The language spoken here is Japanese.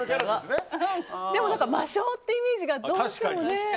魔性ってイメージがどうしてもね。